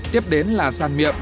tiếp đến là sản miệng một mươi sáu